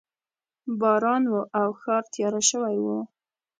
باران و او ښار تیاره شوی و